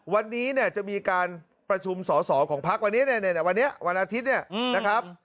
วันนี้จะมีการประชุมสอสอของพรรควันอาทิตย์นะครับ